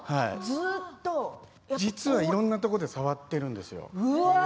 実は、いろいろなところで触っているんですよ。